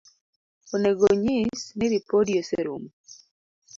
Onego onyis ni ripodi oserumo